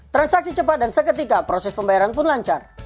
transaksi cepat dan seketika proses pembayaran pun lancar